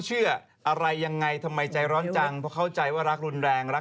คุณไปก่อนคุณไปก่อนอย่าไม่เอาแล้วค่ะ